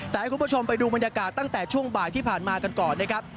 แต่ให้คุณผู้ชมไปดูบรรยากาศตั้งแต่ช่วงบ่ายที่ผ่านมากันก่อนนะครับ